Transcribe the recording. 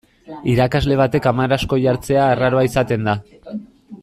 Irakasle batek hamar asko jartzea arraro izaten da.